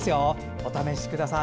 お試しください。